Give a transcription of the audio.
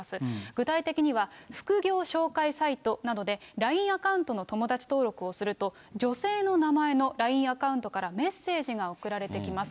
具体的には、副業紹介サイトなどで、ＬＩＮＥアカウントの友達登録をすると、女性の名前のＬＩＮＥアカウントからメッセージが送られてきます。